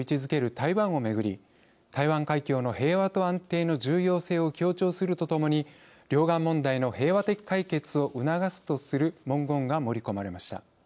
台湾をめぐり「台湾海峡の平和と安定の重要性を強調するとともに両岸問題の平和的解決を促す」とする文言が盛り込まれました。